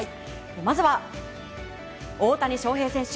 まずは、大谷翔平選手。